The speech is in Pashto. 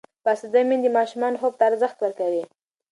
باسواده میندې د ماشومانو خوب ته ارزښت ورکوي.